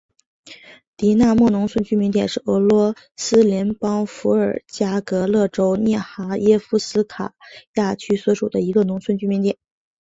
狄纳莫农村居民点是俄罗斯联邦伏尔加格勒州涅哈耶夫斯卡亚区所属的一个农村居民点。